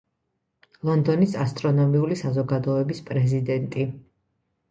ლონდონის ასტრონომიული საზოგადოების პრეზიდენტი.